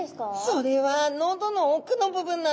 それは喉の奥の部分なんです。